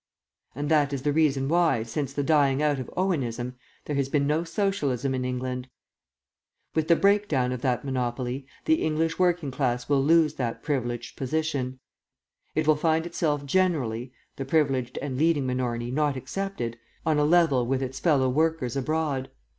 And that is the reason why, since the dying out of Owenism, there has been no Socialism in England. With the breakdown of that monopoly, the English working class will lose that privileged position; it will find itself generally the privileged and leading minority not excepted on a level with its fellow workers abroad.